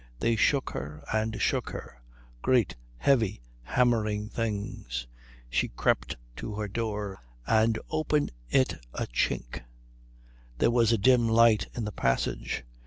They shook her and shook her; great, heavy, hammering things. She crept to her door and opened it a chink. There was a dim light in the passage.